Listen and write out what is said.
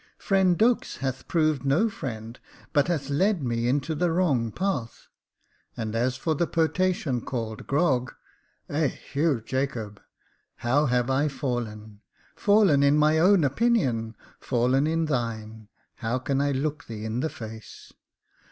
Friend Dux hath proved no friend, but hath led me into the wrong path ; and as for the potation called Grog — Eheu Jacobe I liow have I fallen — fallen in my own opinion — fallen in thine — how can I look thee in the face